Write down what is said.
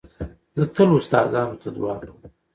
زه تل استادانو ته دؤعا کوم.